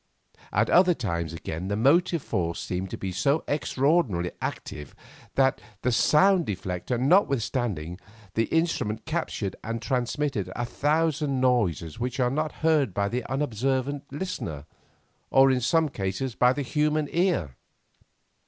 At other times again the motive force seemed to be so extraordinarily active that, the sound deflector notwithstanding, the instrument captured and transmitted a thousand noises which are not to be heard by the unobservant listener, or in some cases by any human ear.